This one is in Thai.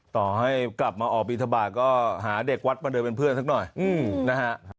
ต่อให้กลับมาออกบินทบาทก็หาเด็กวัดมาเดินเป็นเพื่อนสักหน่อยนะฮะ